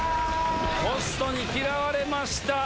ポストに嫌われました。